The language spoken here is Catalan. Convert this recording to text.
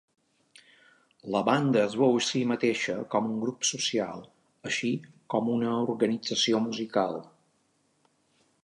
La banda es veu a si mateixa com un grup social, així com una organització musical.